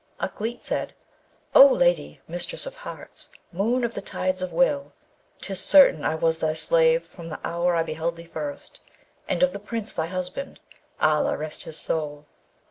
Ukleet said, 'O Lady, mistress of hearts, moon of the tides of will! 'tis certain I was thy slave from the hour I beheld thee first, and of the Prince, thy husband; Allah rest his soul!